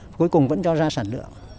cuối cùng vẫn cho ra sản lượng